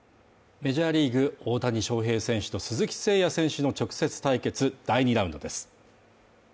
メジャーリーグ、大谷翔平選手と鈴木誠也選手の直接対決第２ラウンドです。